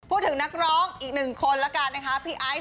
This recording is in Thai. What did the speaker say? พูดถึงนักร้องอีกหนึ่งคนแล้วกันนะคะพี่ไอซ์